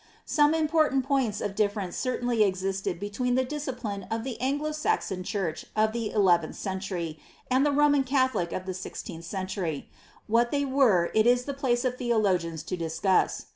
Some important points of diffirence certainly existed between the discipline of the Anglo Saxon church of the eleventh century and the RomBn calholic of the sixteenth century ; what they were it ia the place of theologiana lo discuss.